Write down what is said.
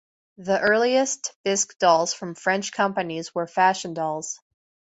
The earliest bisque dolls from French companies were fashion dolls.